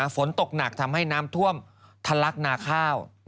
ฝนตกหนักทำให้น้ำท่วมทะลักนาข้าว